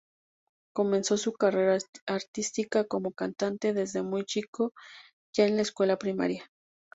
Comenzó su carrera artística como cantante desde muy chico, ya en la escuela primaria.